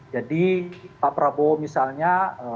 jadi pak prabowo misalnya